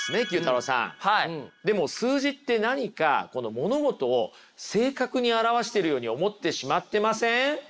でも数字って何か物事を正確に表してるように思ってしまってません？